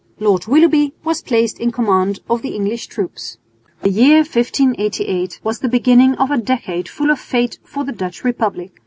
Lord Willoughby was placed in command of the English troops. The year 1588 was the beginning of a decade full of fate for the Dutch Republic.